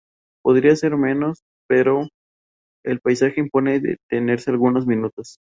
Podría ser menos, pero el paisaje impone detenerse algunos minutos.